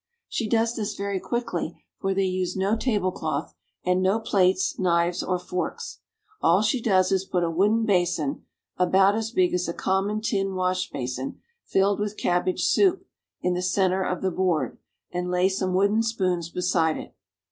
She does this very quickly, for they use no tablecloth, and no plates, knives, or forks. All she does is to put a wooden basin, about as big as a common tin washbasin, filled with cabbage soup, in the center of the board, and lay some wooden spoons beside it.